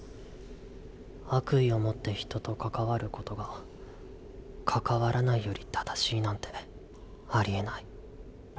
悪意を持って人と関わることが関わらないより正しいなんてありえない。